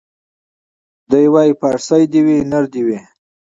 دی وايي پارسۍ دي وي نرۍ دي وي